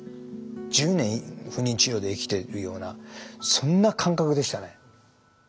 １０年不妊治療で生きてるようなそんな感覚でしたね。